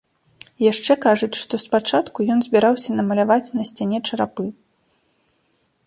Яшчэ кажуць, што спачатку ён збіраўся намаляваць на сцяне чарапы.